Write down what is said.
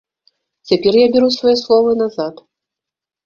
Цяпер я бяру свае словы назад.